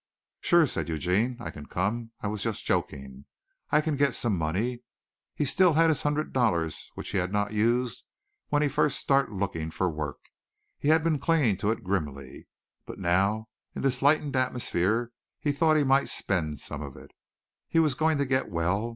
"Sure," said Eugene. "I can come. I was just joking. I can get some money." He had still his hundred dollars which he had not used when he first started looking for work. He had been clinging to it grimly, but now in this lightened atmosphere he thought he might spend some of it. He was going to get well.